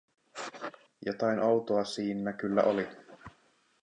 Jotain outoa siinnä kyllä oli.